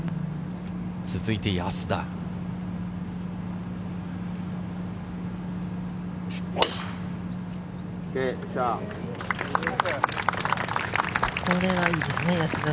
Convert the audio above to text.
続いて安田。